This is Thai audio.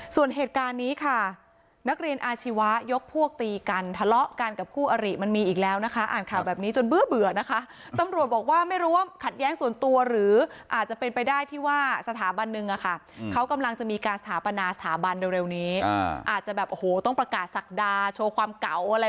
ส่วนเหตุการณ์นี้ค่ะนักเรียนอาชีวะยกพวกตีกันทะเลาะกันกับคู่อริมันมีอีกแล้วนะคะอ่านข่าวแบบนี้จนเบื่อนะคะตำรวจบอกว่าไม่รู้ว่าขัดแย้งส่วนตัวหรืออาจจะเป็นไปได้ที่ว่าสถาบันหนึ่งอะค่ะเขากำลังจะมีการสถาปนาสถาบันเร็วนี้อาจจะแบบโอ้โหต้องประกาศศักดาโชว์ความเก่าอะไร